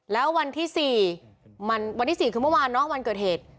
แล้ววันที่๔วันที่๔คือเมื่อวานเนอะวันเกิดเหตุ